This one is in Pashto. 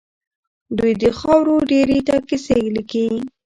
دوی د خاورو ډېري ته کيسې ليکي.